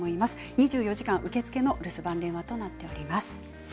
２４時間受付の留守番電話となっております。